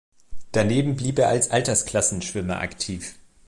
Daneben blieb er als Altersklassenschwimmer aktiv.